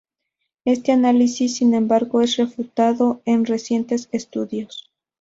Este análisis, sin embargo, es refutado en recientes estudios.